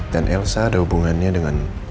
dan elsa ada hubungannya dengan